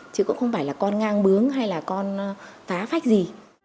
chứ cũng không phải là con ngang bướng hay là con phá phách gì